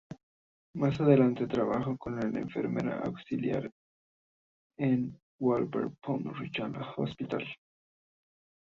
Más adelante, trabajó como enfermera auxiliar en el Wolverhampton Royal Hospital.